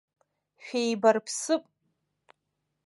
Шәеибарԥсып.